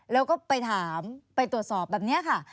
แล้วก็ไปถามไปตรวจสอบแบบนี้ค่ะ